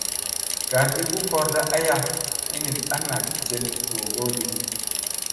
Gargi u korda aya hiniɗ a naɗ jeɗ googodi.